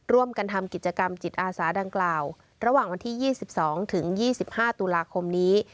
ร่วมกันทำกิจกรรมจิตอาสาดังกล่าวระหว่างวันที่๒๒ถึง๒๕ตุลาคมนี้